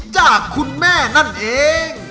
จากคุณแม่นั่นเอง